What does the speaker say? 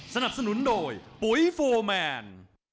สนับสนุนโดยปุ๋ยโฟร์แมน